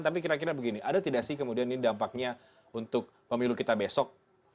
tapi kira kira begini ada tidak sih kemudian ini dampaknya untuk pemilu kita besok